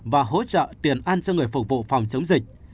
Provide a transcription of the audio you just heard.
và hỗ trợ tiền ăn cho người phục vụ phòng chống dịch